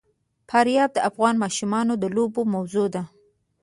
فاریاب د افغان ماشومانو د لوبو موضوع ده.